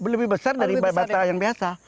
lebih besar dari batu bata yang biasa